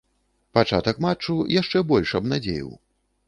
Пачатак матчу яшчэ больш абнадзеіў.